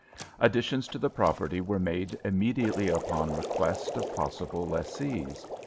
Additions to the property were made immediately upon request of possible lessees.